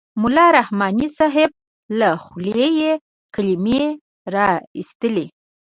ملا رحماني صاحب له خولې یې کلمې را اېستلې.